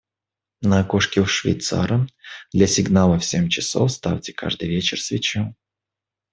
На окошке у швейцара для сигнала в семь часов ставьте каждый вечер свечу.